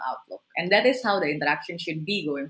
dan itulah bagaimana interaksi harus berlangsung